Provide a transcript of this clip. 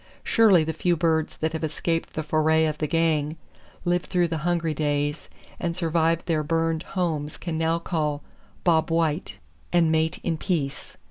Surely the few birds that have escaped the foray of the "gang," lived through the hungry days, and survived their burned homes can now call "Bob White" and mate in peace.